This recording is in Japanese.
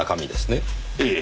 ええ。